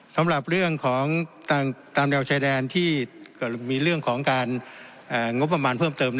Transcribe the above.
สำหรับเรื่องของตามแนวชายแดนที่มีเรื่องของการงบประมาณเพิ่มเติม